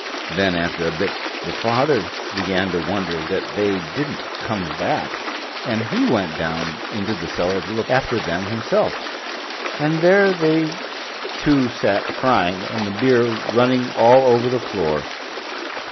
Then after a bit the father began to wonder that they didn't come back, and he went down into the cellar to look after them himself, and there they two sat crying, and the beer running all over the floor.